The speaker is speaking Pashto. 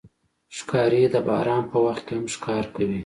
ښکاري د باران په وخت کې هم ښکار کوي.